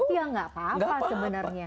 ya nggak apa apa sebenarnya